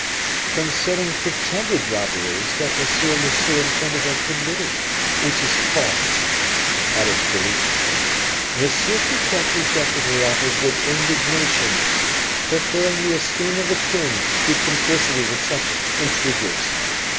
"Concerning pretended robberies that monsieur le surintendant had committed, which is false," added Philippe. "M. Fouquet rejected her offers with indignation, preferring the esteem of the king to complicity with such intriguers.